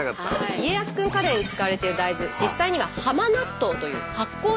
家康くんカレーに使われている大豆実際には浜納豆という発酵大豆。